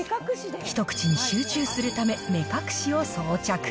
一口に集中するため、目隠しを装着。